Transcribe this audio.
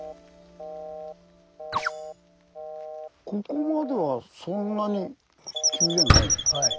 ここまではそんなに急じゃない。